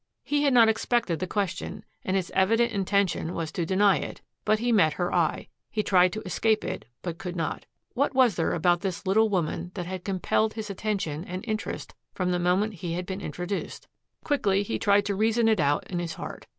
He had not expected the question, and his evident intention was to deny it. But he met her eye. He tried to escape it, but could not. What was there about this little woman that had compelled his attention and interest from the moment he had been introduced? Quickly he tried to reason it out in his heart.